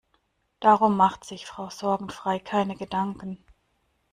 Darum macht sich Frau Sorgenfrei keine Gedanken.